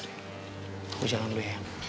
aku jalan dulu ya